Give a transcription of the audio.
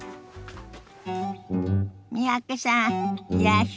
三宅さんいらっしゃい。